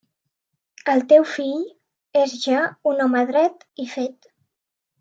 El teu fill és ja un home dret i fet.